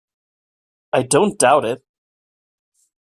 I don't doubt it!